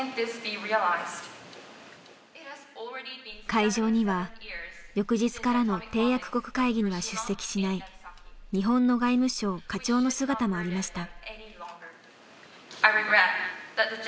会場には翌日からの締約国会議には出席しない日本の外務省課長の姿もありました。